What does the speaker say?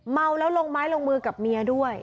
เมาแล้วลงไม้ลงมือกับเมียด้วย